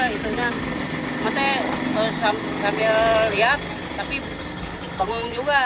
maksudnya sambil lihat tapi bangun juga